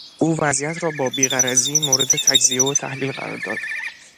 او وضعیت را با بیغرضی مورد تجزیه و تحلیل قرار داد.